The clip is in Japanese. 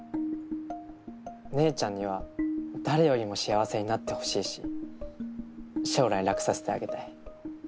姉ちゃんには誰よりも幸せになってほしいし将来楽させてあげたい。